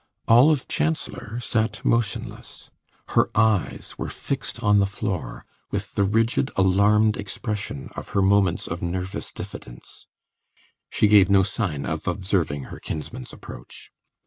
Olive Chancellor sat motionless; her eyes were fixed on the floor with the rigid, alarmed expression of her moments of nervous diffidence; she gave no sign of observing her kinsman's approach.